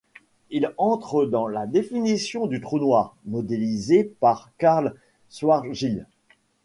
Il entre dans la définition du trou noir, modélisé par Karl Schwarzschild.